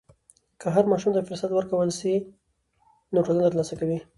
که هر ماشوم ته فرصت ورکړل سي، نو ټولنه ترلاسه کوي.